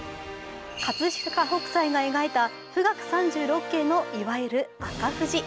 葛飾北斎が描いた「富嶽三十六景」のいわゆる赤富士。